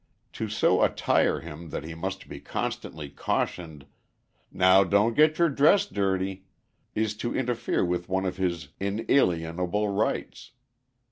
To so attire him that he must be constantly cautioned, 'Now don't get your dress dirty,' is to interfere with one of his inalienable rights.